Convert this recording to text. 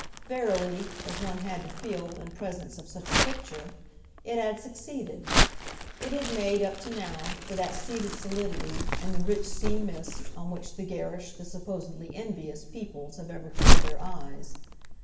Verily, as one had to feel in presence of such a picture, it had succeeded; it had made, up to now, for that seated solidity, in the rich sea mist, on which the garish, the supposedly envious, peoples have ever cooled their eyes.